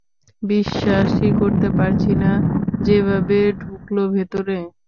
বিশ্বাসই করতে পারছি না, যেভাবে ও ঢুকলো ভেতরে!